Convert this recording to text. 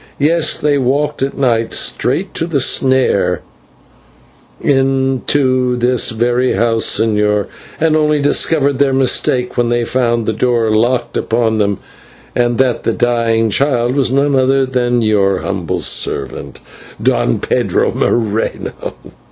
Yes, they walked at night straight to the snare, into this very house, señor, and only discovered their mistake when they found the doors locked upon them, and that the dying child was none other than your humble servant, Don Pedro Moreno.